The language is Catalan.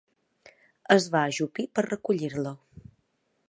Es va ajupir per recollir-lo.